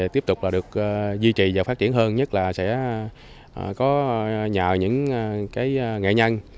tiếp tục là được duy trì và phát triển hơn nhất là sẽ có nhờ những cái nghệ nhân